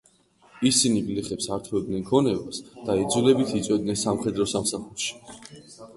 ისინი გლეხებს ართმევდნენ ქონებას და იძულებით იწვევდნენ სამხედრო სამსახურში.